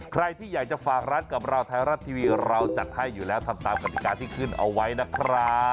ใครที่อยากจะฝากร้านกับเราไทยรัฐทีวีเราจัดให้อยู่แล้วทำตามกติกาที่ขึ้นเอาไว้นะครับ